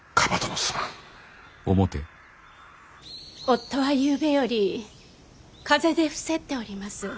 夫はゆうべより風邪で伏せっております。